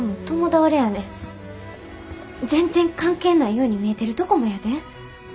全然関係ないように見えてるとこもやで。